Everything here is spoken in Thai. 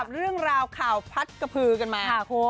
เรื่องราวข่าวพัดกระพือกันมา